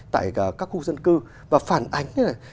tại các khu dân cư và phản ánh như thế này